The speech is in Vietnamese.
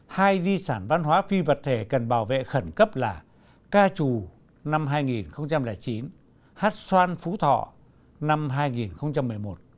hai di sản văn hóa phi vật thể cần bảo vệ khẩn cấp là ca trù năm hai nghìn chín hát xoan phú thọ năm hai nghìn một mươi một